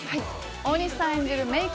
大西さん演じるメイク